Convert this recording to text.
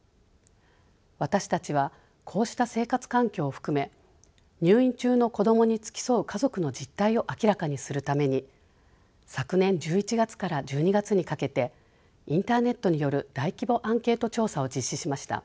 私たちはこうした生活環境を含め入院中の子どもに付き添う家族の実態を明らかにするために昨年１１月から１２月にかけてインターネットによる大規模アンケート調査を実施しました。